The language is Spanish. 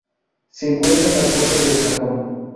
Se encuentran en las costas del Japón.